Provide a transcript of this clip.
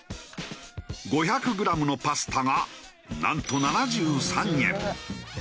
５００グラムのパスタがなんと７３円。